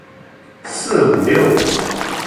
四五六